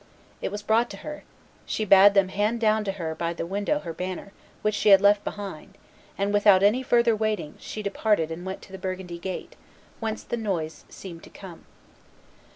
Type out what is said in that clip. It was brought to her; she bade them hand down to her by the window her banner, which she had left behind, and, without any further waiting, she departed and went to the Burgundy gate, whence the noise seemed to come.